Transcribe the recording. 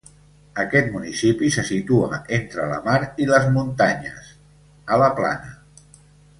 Aquest municipi se situa entre la mar i les muntanyes, a la Plana.